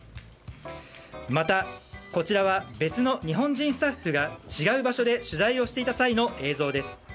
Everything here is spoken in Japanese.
またこちらは別の日本人スタッフが違う場所で取材をしていた際の映像です。